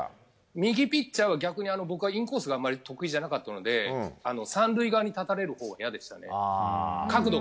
右ピッチャーは逆に僕はインコースがあまり得意じゃなかったので３塁側に立たれるほうが嫌でしたね。